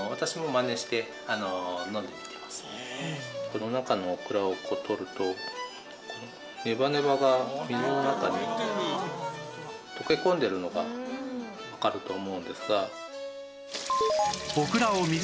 この中のオクラを取るとネバネバが水の中に溶け込んでいるのがわかると思うんですが。